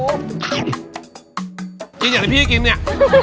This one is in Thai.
จริงอยากให้พี่กินเนี่ย